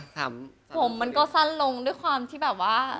ผมมันก็สั้นลงด้วยความที่แบบว่า